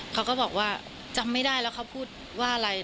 เขาก็บอกว่าจำไม่ได้แล้วเขาพูดว่าอะไร